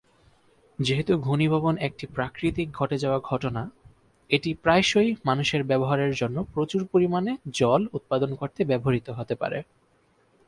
যেহেতু ঘনীভবন একটি প্রাকৃতিকভাবে ঘটে যাওয়া ঘটনা, এটি প্রায়শই মানুষের ব্যবহারের জন্য প্রচুর পরিমাণে জল উৎপাদন করতে ব্যবহৃত হতে পারে।